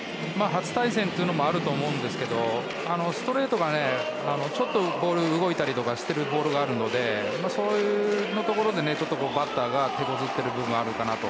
初対戦というのもあると思いますがストレートが、ちょっとボールが動いたりしているのでそういうところで、バッターが手こずってる部分はあるかなと。